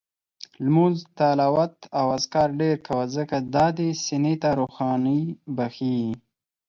لمونځ، تلاوت او اذکار ډېر کوه، ځکه دا دې سینې ته روښاني بخښي